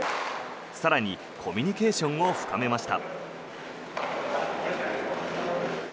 更にコミュニケーションを深めました。